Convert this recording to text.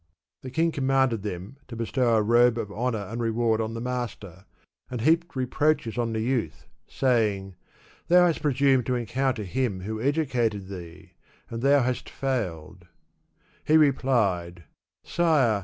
The king com manded them to bestow a robe of honor and reward on the master, and heaped reproaches on the youth, saying, " Thou hast presumed to encounter him who educated thee, and thou hast failed/* He replied, " Sire